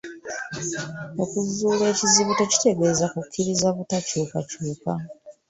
Okuzuula ekizibu tekitegeeza kukkiriza butakyukakyuka.